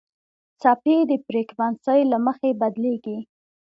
څپې د فریکونسۍ له مخې بدلېږي.